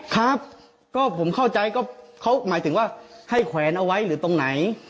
ครับก็ผมเข้าใจก็เขาหมายถึงว่าให้แขวนเอาไว้หรือตรงไหน